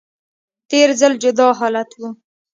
تیر ځل جدا حالت و